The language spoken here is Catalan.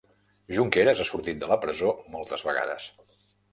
Junqueras ha sortit de la presó moltes vegades